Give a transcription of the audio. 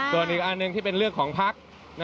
ส่วนอีกอันหนึ่งที่เป็นเรื่องของภักดิ์